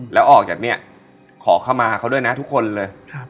แล้วออกจากเนี่ยขอเข้ามาเขาด้วยนะทุกคนเลย